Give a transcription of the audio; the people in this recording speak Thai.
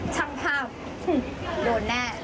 ช่างภาพโดนแน่